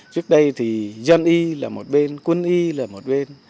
trước đây thì dân y là một bên quân y là một bên